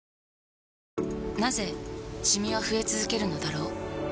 なぜシミは増え続けるのだろう